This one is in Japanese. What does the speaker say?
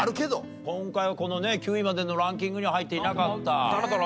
今回はこのね９位までのランキングには入っていなかった。